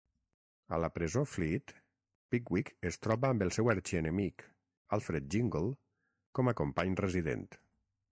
A la presó Fleet, Pickwick es troba amb el seu arxienemic, Alfred Jingle, com a company resident.